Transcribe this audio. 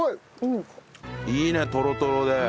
いいねトロトロで。